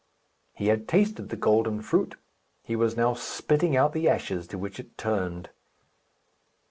He had tasted the golden fruit. He was now spitting out the ashes to which it turned.